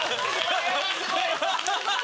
これはすごいです！